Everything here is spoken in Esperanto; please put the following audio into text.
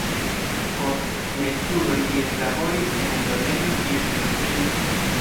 Post siaj studoj li eklaboris en eldonejo kiel ilustristo.